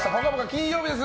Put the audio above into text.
金曜日です！